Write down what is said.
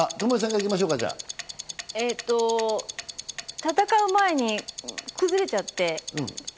戦う前に崩れちゃって。